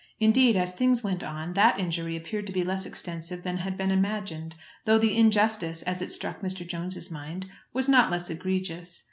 Indeed, as things went on, that injury appeared to be less extensive than had been imagined, though the injustice, as it struck Mr. Jones's mind, was not less egregious.